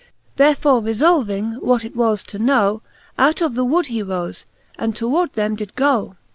Therefore refolving, what it was, to know. Out of the wood lie rofe, and toward them did go.